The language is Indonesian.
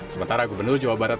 sementara gubernur jawa barat